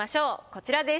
こちらです。